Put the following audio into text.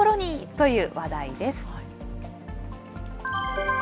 という話題です。